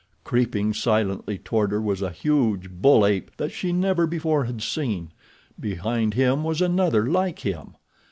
Creeping silently toward her was a huge bull ape that she never before had seen. Behind him was another like him.